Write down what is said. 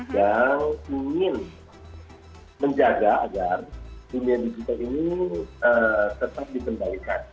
dan ingin menjaga agar dunia digital ini tetap dikembalikan